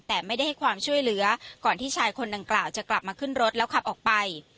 แต่ไม่ได้ให้ความช่วยเหลือก่อนที่ชายคนดังกล่าวจะกลับมาขึ้นรถแล้วขับออกไป